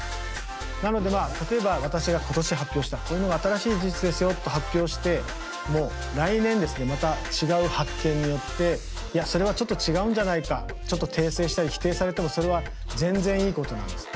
なのでまあ例えば私が今年発表したこういうのが新しい事実ですよと発表しても来年ですねまた違う発見によっていやそれはちょっと違うんじゃないかちょっと訂正したり否定されてもそれは全然いいことなんです。